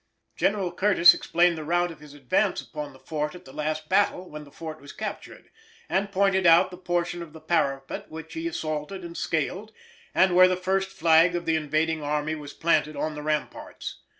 General Curtis explained the route of his advance upon the fort at the last battle, when the fort was captured, and pointed out the portion of the parapet which he assaulted and scaled, and where the first flag of the invading army was planted on the ramparts.